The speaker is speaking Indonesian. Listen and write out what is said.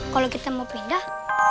kalau kita mau pindah